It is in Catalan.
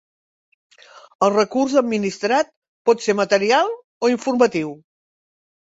El recurs administrat pot ser material o informatiu.